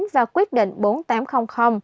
và quyết định bốn nghìn tám trăm linh